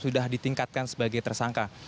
sudah ditingkatkan sebagai tersangka